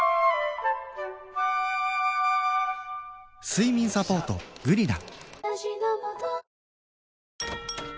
睡眠サポート「グリナ」